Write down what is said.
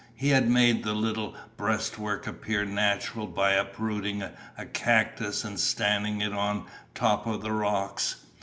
He had made the little breastwork appear natural by uprooting a cactus and standing it on top of the rocks.